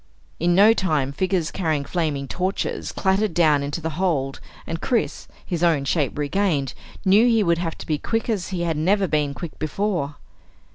In no time figures carrying flaming torches clattered down into the hold and Chris, his own shape regained, knew he would have to be quick as he had never been quick before.